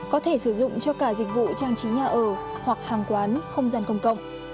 có thể sử dụng cho cả dịch vụ trang trí nhà ở hoặc hàng quán không gian công cộng